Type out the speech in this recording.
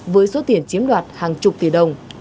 với số tiền chiếm đoạt hàng chục tỷ đồng